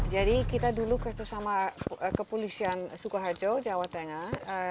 jadi kita dulu kerjasama kepolisian sukoharjo jawa tengah